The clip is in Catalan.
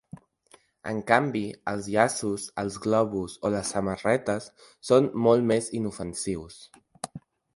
En canvi, els llaços, els globus o les samarretes, són molt més inofensius.